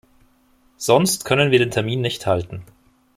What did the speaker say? Sonst können wir den Termin nicht halten.